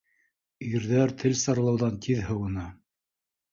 Ирҙәр тел сарлауҙан тиҙ һыуына